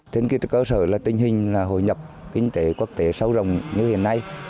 thế nhưng cái cơ sở là tình hình là hồi nhập kinh tế quốc tế sâu rồng như hiện nay